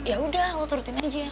yaudah lo turutin aja